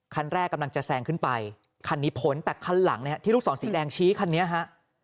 คันแรกกำลังจะแซงขึ้นไปคันนี้พ้นแต่คันหลังเนี่ยที่ลูกศรสีแดงชี้คันนี้ฮะ